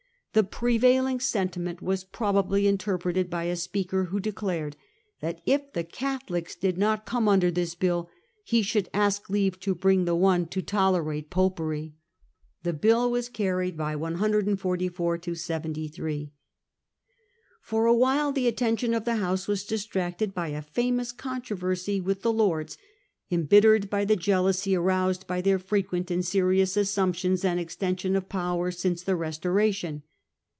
The prevailing sentiment was probably interpreted by a speaker who declared that if the Catholics did not come under this bill he should ask leave to bring in one to tolerate Popery. The bill was carried by 144 to 73. For a while the attention of the House was distracted by a famous controversy with the Lords, embittered The Skinner by the jealousy aroused by their frequent controversy, and serious assumptions and extensions of power since the Restoration.